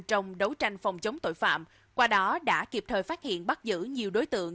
trong đấu tranh phòng chống tội phạm qua đó đã kịp thời phát hiện bắt giữ nhiều đối tượng